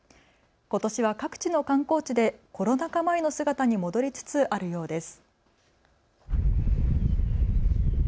ことしは各地の観光地でコロナ禍前の姿に戻りつつあるようです。